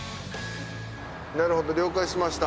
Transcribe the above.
なるほど了解しました。